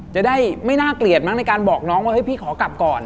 จะได้ไม่น่าเกลียดมั้งในการบอกน้องว่าเฮ้ยพี่ขอกลับก่อน